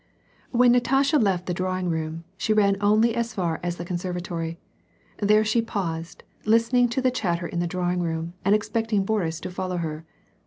When Natasha left the drawing room, she ran only as far as the conservatory. There she paused, listening to the chat ter in the drawing room and expecting Boris to follow her.